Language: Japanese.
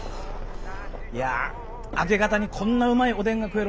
いや明け方にこんなうまいおでんが食える